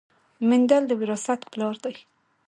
مندل د وراثت پلار دی